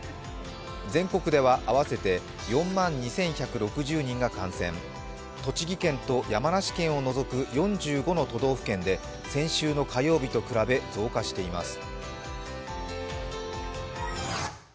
全国では合わせて４万２１６０人が感染栃木県と山梨県を除く４５の都道府県で先週の火曜日と比べ、増加しています。